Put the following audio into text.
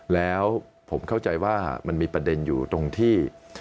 แล้วผมเข้าใจว่ามันมีประเด็นอยู่ตรงที่